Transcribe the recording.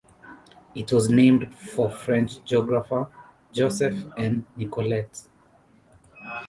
It was named for French geographer Joseph N. Nicollet.